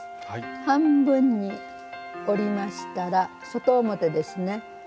半分に折りましたら外表ですね。